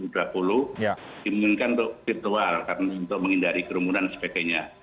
dimengingkan untuk virtual karena untuk menghindari kerumunan sebagainya